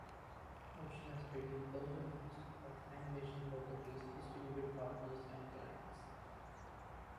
Ocean has produced thousands of animation properties distributed partners and clients.